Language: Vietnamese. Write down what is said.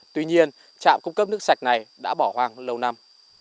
tuy nhiên trạm cung cấp nước sạch này đã bỏ hoang lâu năm